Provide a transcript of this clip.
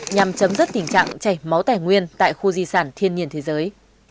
nhằm chấm dứt tình trạng chảy máu tài nguyên tại khu di sản thiên nhiên thế giới